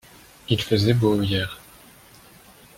Il faisait beau hier.